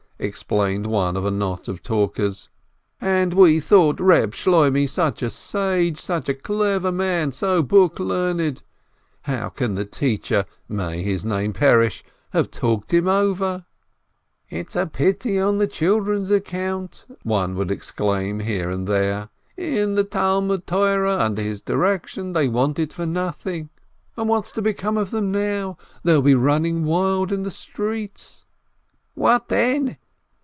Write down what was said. explained one of a knot of talkers. "And we thought Eeb Shloimeh such a sage, such a clever man, so book learned. How can the teacher (may his name perish !) have talked him over?" 338 PINSKI "It's a pity on the children's account !" one would exclaim here and there. "In the Talmud Torah, under his direction, they wanted for nothing, and what's to become of them now ! They'll be running wild in the streets !" "What then?